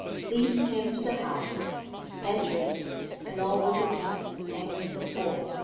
These came to the house, entered, and all was again the same as before.